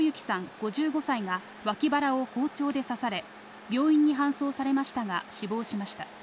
５５歳が脇腹を包丁で刺され、病院に搬送されましたが、死亡しました。